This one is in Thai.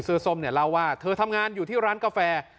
ส้มเนี่ยเล่าว่าเธอทำงานอยู่ที่ร้านกาแฟ